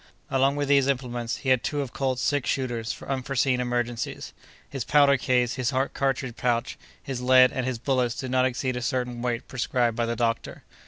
Along with these implements, he had two of Colt's six shooters, for unforeseen emergencies. His powder case, his cartridge pouch, his lead, and his bullets, did not exceed a certain weight prescribed by the doctor.